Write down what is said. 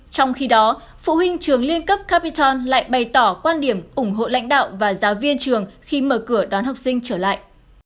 trong khi đó phụ huynh trường liên cấp capital lại bày tỏ quan điểm ủng hộ lãnh đạo và giáo viên trường khi mở cửa đón học sinh trở lại